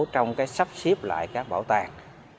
trong cái sắp xếp lại các bảo tàng